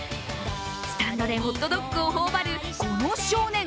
スタンドでホットドッグを頬張るこの少年。